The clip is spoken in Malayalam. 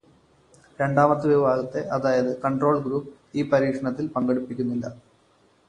രണ്ടാമത്തെ വിഭാഗത്തെ, അതായത് കൺട്രോൾ ഗ്രൂപ്പ്, ഈ പരീക്ഷണത്തിൽ പങ്കെടുപ്പിക്കുന്നില്ല.